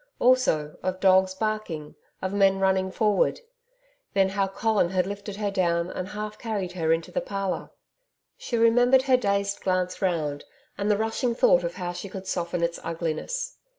Also of dogs barking, of men running forward. Then how Colin had lifted her down and half carried her into the parlour. She remembered her dazed glance round and the rushing thought of how she could soften its ugliness.